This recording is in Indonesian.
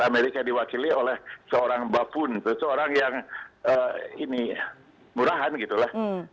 amerika diwakili oleh seorang bapun seseorang yang ini murahan gitu lah